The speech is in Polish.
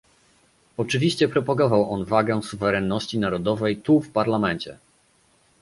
Oczywiście propagował on wagę suwerenności narodowej tu w Parlamencie